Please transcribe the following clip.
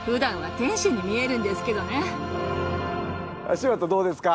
柴田どうですか？